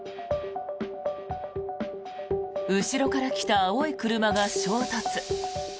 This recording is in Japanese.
後ろから来た青い車が衝突。